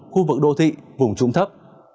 khu vực đô thị vùng trúng thấp